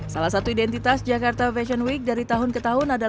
salah satu identitas jakarta fashion week dari tahun ke tahun adalah